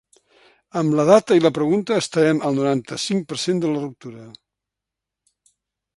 Amb la data i la pregunta estarem al noranta-cinc per cent de la ruptura.